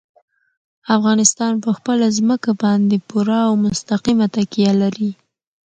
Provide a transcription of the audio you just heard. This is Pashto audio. افغانستان په خپله ځمکه باندې پوره او مستقیمه تکیه لري.